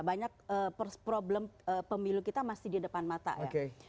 banyak problem pemilu kita masih di depan mata ya